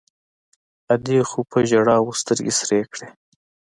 ادې خو په ژړاوو سترګې سرې کړې.